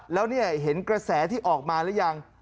แล้วเนี่ยเห็นกระแสที่ออกมาหรือยัง